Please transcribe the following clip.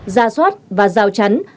gia soát và giao chắn